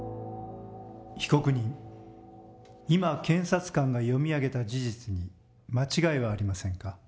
被告人今検察官が読み上げた事実に間違いはありませんか？